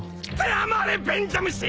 黙れ便所虫！